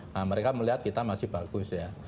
nah mereka melihat kita masih bagus ya